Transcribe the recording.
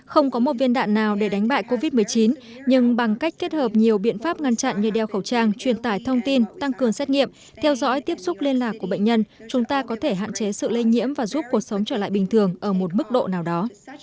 không có một viên đạn nào để đánh bại covid một mươi chín nhưng bằng cách kết hợp nhiều biện pháp ngăn chặn như đeo khẩu trang truyền tải thông tin tăng cường xét nghiệm theo dõi tiếp xúc liên lạc của bệnh nhân chúng ta có thể hạn chế sự lây nhiễm và giúp cuộc sống trở lại bình thường ở một mức độ nào đó